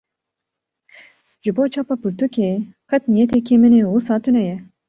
Ji bo çapa pirtûkê, qet niyetekî min ê wisa tuneye